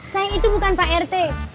saya itu bukan pak rt